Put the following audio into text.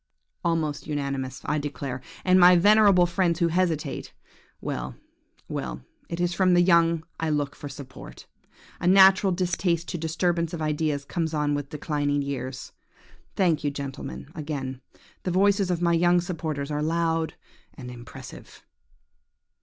"Almost unanimous, I declare! and my venerable friends who hesitate–well, well–it is from the young I look for support. A natural distaste to disturbance of ideas comes on with declining years. Thank you, gentlemen, again; the voices of my young supporters are loud and impressive.